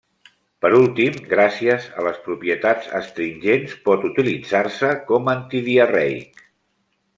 Per últim gràcies a les propietats astringents pot utilitzar-se com antidiarreic.